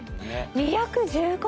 ２１５人！